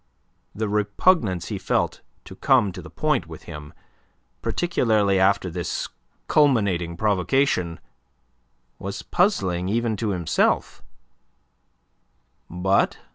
The repugnance he felt to come to the point, with him, particularly after this culminating provocation, was puzzling even to himself.